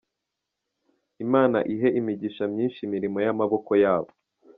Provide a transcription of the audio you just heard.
Imana ihe imigisha myishi imirimo y’amaboko yabo.